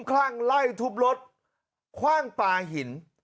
คลั่งไล่ทุบรถคว่างปลาหิน